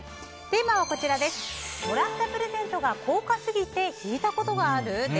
テーマは、もらったプレゼントが高価すぎて引いたことがある？